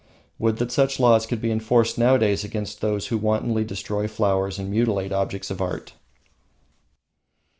Would that such laws could be enforced nowadays against those who wantonly destroy flowers and mutilate objects of art!